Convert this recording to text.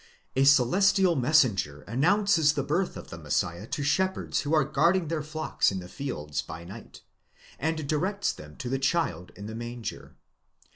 A celestial messenger announces the birth of the Messiah to shepherds who are guarding their flocks in the fields by night, and directs them to the child in the manger.